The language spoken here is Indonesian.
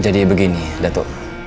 jadi begini dato